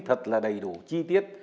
thật là đầy đủ chi tiết